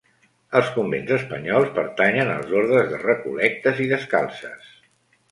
Els convents espanyols pertanyen als ordes de recol·lectes i descalces.